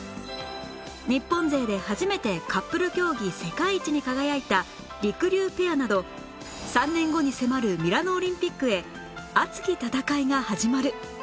日本勢で初めてカップル競技世界一に輝いたりくりゅうペアなど３年後に迫るミラノオリンピックへ熱き戦いが始まる！